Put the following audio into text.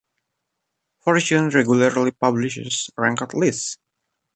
"Fortune" regularly publishes ranked lists.